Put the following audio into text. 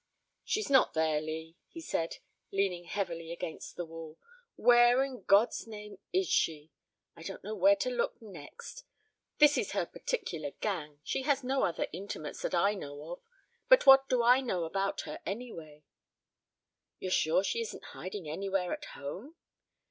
"She's not there, Lee," he said, leaning heavily against the wall. "Where in God's name is she? I don't know where to look next. This is her particular gang. She has no other intimates that I know of. But what do I know about her, anyway?" "You're sure she isn't hiding anywhere at home?"